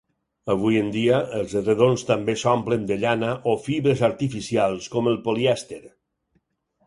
Avui en dia, els edredons també s'omplen de llana o fibres artificials com el polièster.